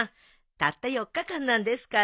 たった４日間なんですから。